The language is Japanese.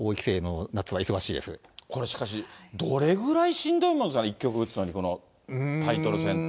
これ、しかし、どれぐらいしんどいものなんですかね、１局打つのに、このタイトル戦って。